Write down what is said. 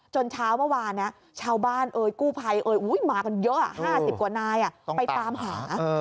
จนเช้าเมื่อกว่านี้ชาวบ้านภายมากันเยอะ๕๐กว่านายไปตามหา